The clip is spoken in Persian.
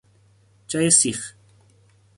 جای سیخ